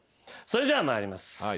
それじゃあ参ります。